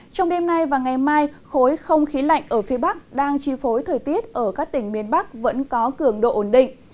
trong đêm nay và ngày mai khối không khí lạnh ở phía bắc đang chi phối thời tiết ở các tỉnh miền bắc vẫn có cường độ ổn định